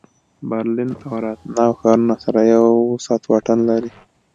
برلین او راتناو ښارونه سره یو ساعت واټن لري